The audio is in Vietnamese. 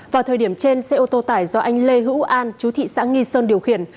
vào thời điểm trên xe ô tô tải do anh lê hữu an chú thị xã nghi sơn điều khiển